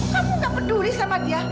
kamu gak peduli sama dia